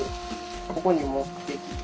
ここに持ってきて。